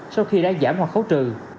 sau khi đã giảm hoặc khấu trừ